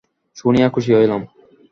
শুনিয়া খুশি হইলাম।